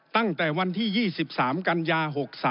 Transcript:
ตั้งแต่วันที่๒๓กันยา๖๓